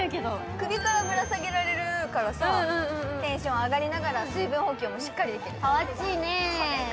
首からぶら下げられるからさ、テンション上がりながら水分補給もしっかり。